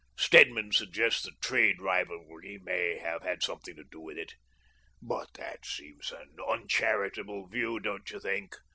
Stedman suggests that trade rivalry may have had something to do w4th it. But that seems an uncharitable view, don't you think